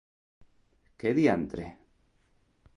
Què diantre?